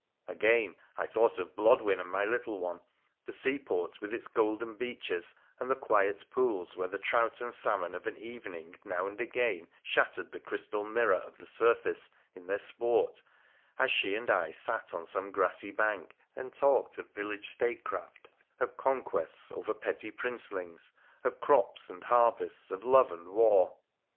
Again I thought of Blodwen and my little one ; the seaport, with its golden beaches, and the quiet pools where the trout and salmon of an evening now and again shattered the crystal mirror of the surface in their sport as she and I sat upon some grassy bank and talked of village statecraft, of conquests over petty prince lings, of crops and harvests, of love and war.